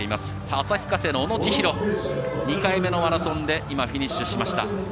旭化成の小野知大２回目のマラソンでフィニッシュしました。